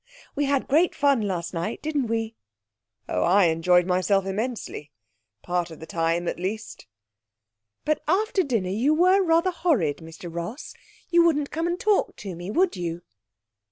We had great fun last night, didn't we?' 'Oh, I enjoyed myself immensely; part of the time at least.' 'But after dinner you were rather horrid, Mr Ross. You wouldn't come and talk to me, would you?'